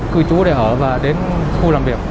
cư trú để ở và đến khu làm việc